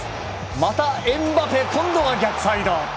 また、エムバペ、今度は逆サイド。